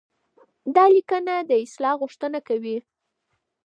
دا ليکنه د اصلاح غوښتنه کوي.